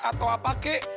atau apa kek